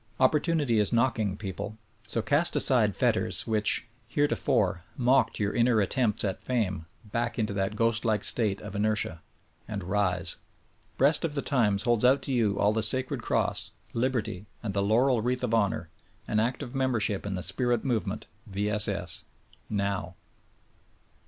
Opportunity is knocking, people, so cast aside fetters which, heretofore, mocked your inner attempts at fame back into that ghost like state of inertia — and rise! Breast of the times holds out to you all the sacred cross, liberty; and the laurel wreath of honor — an active membership in the spirit movement, V. S. S. ! NOW